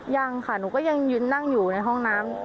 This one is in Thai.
อย่างนั้นค่ะหนูก็ยังนั่งอยู่ในห้องน้ำ